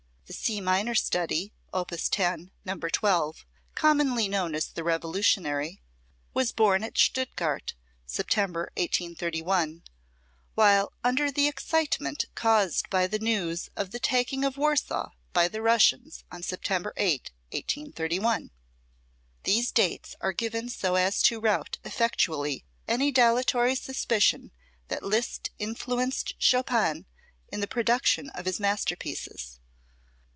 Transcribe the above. The C minor study, op. 10, No. 12, commonly known as the Revolutionary, was born at Stuttgart, September, 1831, "while under the excitement caused by the news of the taking of Warsaw by the Russians, on September 8, 1831." These dates are given so as to rout effectually any dilatory suspicion that Liszt influenced Chopin in the production of his masterpieces.